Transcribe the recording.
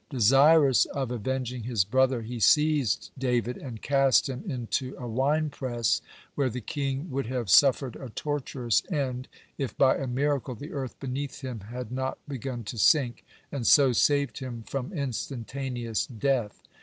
Desirous of avenging his brother, he seized David, and cast him into a winepress, where the king would have suffered a torturous end, if by a miracle the earth beneath him had not begun to sink, and so saved him from instantaneous death.